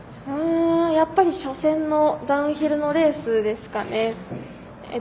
やはり初戦のダウンヒルのレースですかね。